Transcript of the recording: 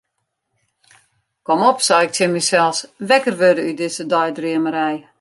Kom op, sei ik tsjin mysels, wekker wurde út dizze deidreamerij.